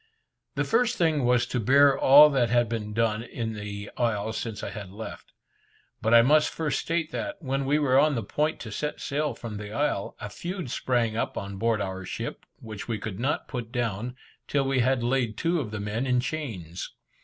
The first thing was to bear all that had been done in the isle since I had left it. But I must first state that, when we were on the point to set sail from the isle, a feud sprang up on board our ship, which we could not put down, till we had laid two of the men in chains.